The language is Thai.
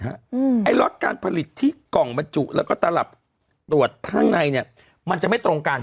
ไอ้ล็อตการผลิตที่กล่องบรรจุแล้วก็ตลับตรวจข้างในเนี่ยมันจะไม่ตรงกัน